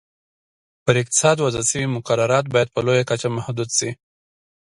پر اقتصاد وضع شوي مقررات باید په لویه کچه محدود شي.